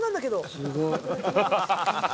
すごい。